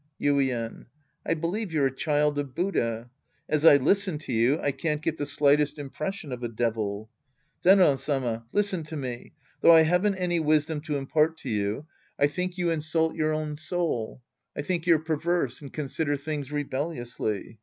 Yuien. I believe you're a child of Buddha. As I listen to you, I can't get the slightest impression of a devil. Zenran Sama, listen to me. Though I haven't any wisdom to impart to you. I think you no The Priest and His Disciples Act III insult your own soul. I think you're perverse and consider things rebelliously.